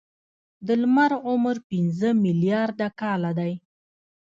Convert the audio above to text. د لمر عمر پنځه ملیارده کاله دی.